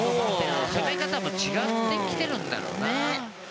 攻め方も違ってきているんだろうな。